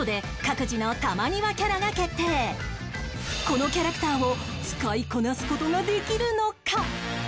このキャラクターを使いこなす事ができるのか？